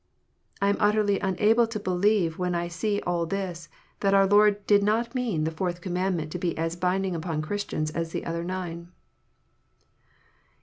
I am utterly unable to believe, when I see all this, that our Lord did not mean the Fourth Commandment to be as binding on Christians as the other nine.